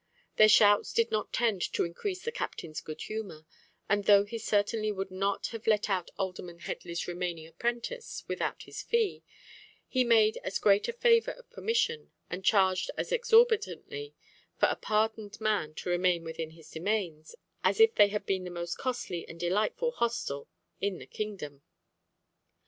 Their shouts did not tend to increase the captain's good humour, and though he certainly would not have let out Alderman Headley's remaining apprentice without his fee, he made as great a favour of permission, and charged as exorbitantly, for a pardoned man to remain within his domains as if they had been the most costly and delightful hostel in the kingdom.